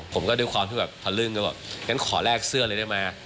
ผมก็ด้วยความที่แบบพลึ่งแล้วแบบอย่างนั้นขอแรกเสื้อเลยได้ไหม